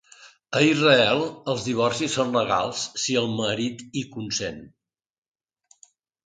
A Israel els divorcis són legals si el marit hi consent.